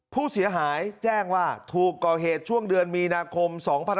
ผู้เสียหายแจ้งว่าถูกก่อเหตุช่วงเดือนมีนาคม๒๕๖๒